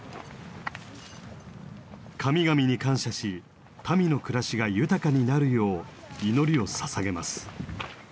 神々に感謝し民の暮らしが豊かになるよう祈りをささげます。